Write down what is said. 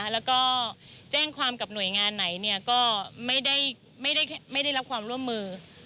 แล้วก็แจ้งความกับหน่วยงานไหนก็ไม่ได้รับความร่วมมือ